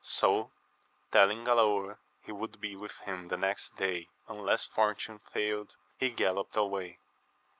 So telling Galaor he would be with him the next day unless fortune failed, he gallopped away.